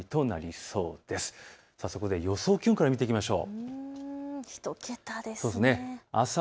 そこで予想気温から見ていきましょう。